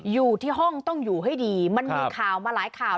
อยู่ที่ห้องต้องอยู่ให้ดีมันมีข่าวมาหลายข่าว